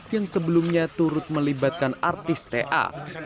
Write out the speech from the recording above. yang sebelumnya turut melibatkan artis ta